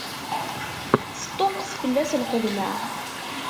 Teṭṭuqqet fell-as lxedma.